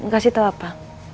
kasih tau apa